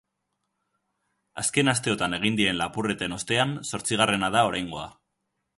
Azken asteotan egin diren lapurreten ostean zortzigarrena da oraingoa.